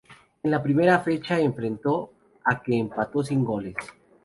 En la primera fecha enfrentó a que empató sin goles.